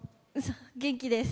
元気です。